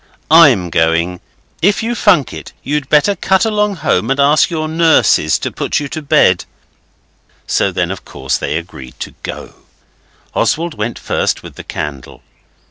I'M going. If you funk it you'd better cut along home and ask your nurses to put you to bed.' So then, of course, they agreed to go. Oswald went first with the candle.